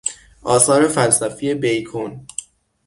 آثار فلسفی بیکون